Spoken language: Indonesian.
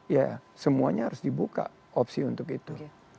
ya semuanya harus dibuka opsi untuk itu